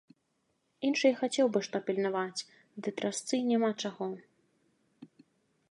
Іншы і хацеў бы што пільнаваць, ды трасцы, няма чаго!